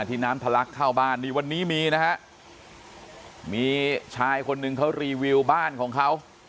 น้ำทะลักเข้าบ้านนี่วันนี้มีนะฮะมีชายคนหนึ่งเขารีวิวบ้านของเขา